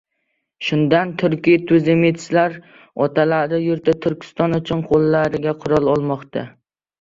Shundan turkiy tuzemetslar otalari yurti Turkiston uchun qo‘llariga qurol olmoqda.